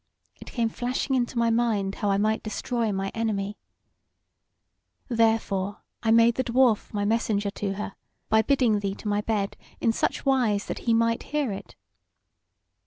it came flashing into my mind how I might destroy my enemy. Therefore I made the Dwarf my messenger to her, by bidding thee to my bed in such wise that he might hear it.